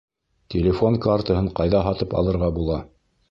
Телефон картаһын ҡайҙа һатып алырға була?